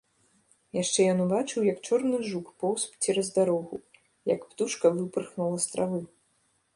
Яшчэ ён убачыў, як чорны жук поўз цераз дарогу, як птушка выпырхнула з травы.